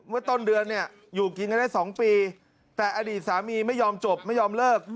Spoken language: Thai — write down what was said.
เมื่อต้นเดือนเนี่ยอยู่กินกันได้๒ปีแต่อดีตสามีไม่ยอมจบไม่ยอมเลิก